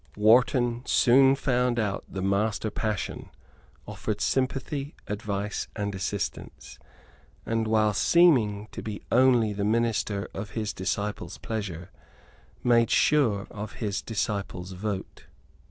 Wharton soon found out the master passion, offered sympathy, advice and assistance, and, while seeming to be only the minister of his disciple's pleasures, made sure of his disciple's vote.